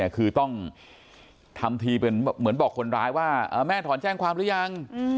คือต้องทำทีเป็นเหมือนบอกคนร้ายว่าแม่ถอนแจ้งความหรือยัง